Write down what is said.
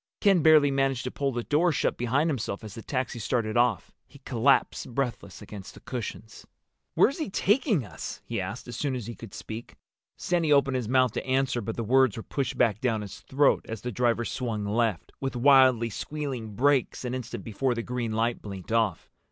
Ken barely managed to pull the door shut behind himself as the taxi started off. He collapsed breathless against the cushions. "Where's he taking us?" he asked, as soon as he could speak. Sandy opened his mouth to answer, but the words were pushed back down his throat as the driver swung left, with wildly squealing brakes, an instant before the green light blinked off.